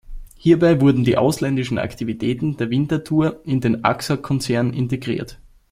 Hierbei wurden die ausländischen Aktivitäten der Winterthur in den Axa-Konzern integriert.